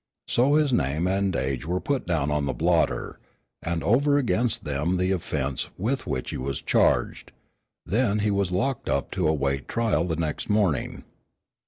So his name and age were put down on the blotter, and over against them the offence with which he was charged. Then he was locked up to await trial the next morning.